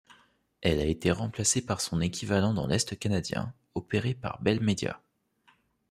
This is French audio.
Elle a été remplacée par son équivalent dans l'est canadien, opéré par Bell Media.